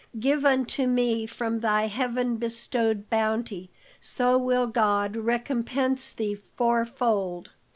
Give unto me from thy heaven bestowed bounty; so will God recompense thee fourfold."